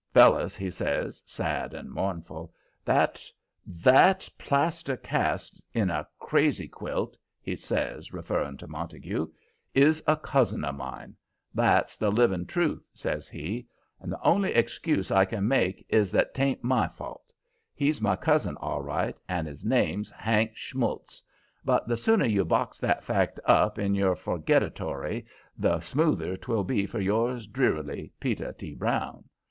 "Fellers," he says, sad and mournful, "that that plaster cast in a crazy quilt," he says, referring to Montague, "is a cousin of mine. That's the living truth," says he, "and the only excuse I can make is that 'tain't my fault. He's my cousin, all right, and his name's Hank Schmults, but the sooner you box that fact up in your forgetory, the smoother 'twill be for yours drearily, Peter T. Brown.